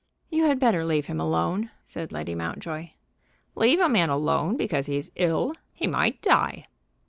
"You had better leave him alone," said Lady Mountjoy. "Leave a man alone because he's ill! He might die."